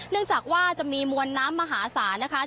จากว่าจะมีมวลน้ำมหาศาลนะคะ